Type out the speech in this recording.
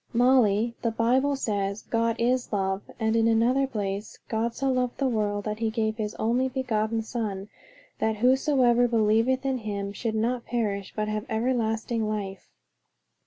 "Molly, the Bible says 'God is love.' And in another place, 'God so loved the world, that he gave his only begotten Son, that whosoever believeth in him should not perish, but have everlasting life.'